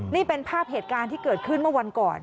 นี่เป็นภาพเหตุการณ์ที่เกิดขึ้นเมื่อวันก่อน